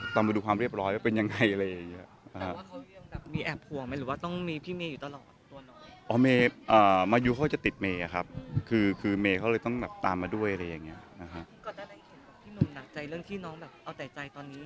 ก่อนได้ได้เห็นบอกที่นุ่มหนักใจเรื่องที่น้องเอาใจใจตอนนี้